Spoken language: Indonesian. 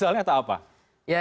ak misalnya tak apa ya